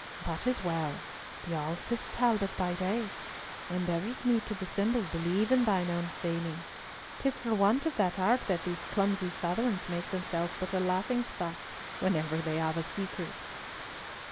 "That is well! Be all Cis Talbot by day. When there is need to dissemble, believe in thine own feigning. 'Tis for want of that art that these clumsy Southrons make themselves but a laughing stock whenever they have a secret."